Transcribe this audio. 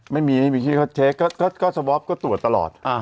ไม่มีไม่มีที่เขาเช็คก็สวอปก็ตรวจตลอด